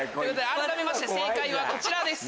改めまして正解はこちらです。